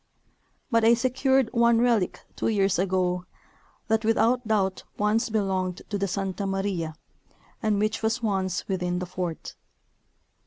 But I secured one relic two years ago that without doubt once belonged to the Santa Maria and which was once within the fort.